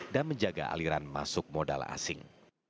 dan menjaga aliran masuk modal asing